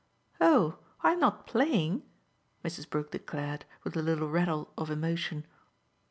"Oh I'm not playing!" Mrs. Brook declared with a little rattle of emotion.